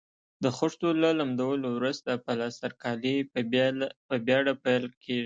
د خښتو له لمدولو وروسته پلسترکاري په بېړه پیل کیږي.